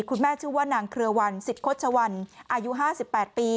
คุณแม่ชื่อว่านางเคลือวันสิทธิ์คดชวรอายุห้าสิบแปดปี